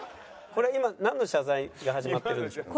これは今なんの謝罪が始まってるんでしょうか？